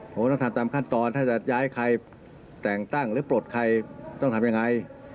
ผมต้องทำตามขั้นตอนถ้าจะย้ายใครแต่งตั้งหรือปลดใครต้องทำยังไง